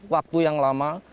waktu yang lama